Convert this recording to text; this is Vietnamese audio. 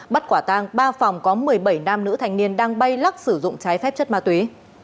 bắt quả tang ba phòng có một mươi bảy nam nữ thành niên đang bay lắc sử dụng trái phép chất ma túy